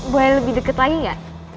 boleh lebih deket lagi gak